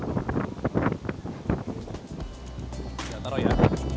kita taruh ya